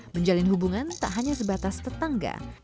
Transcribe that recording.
menjalin hubungan tak hanya sebatas tetangga